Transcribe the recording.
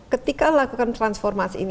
ketika lakukan transformasi ini